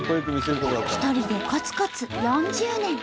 一人でコツコツ４０年。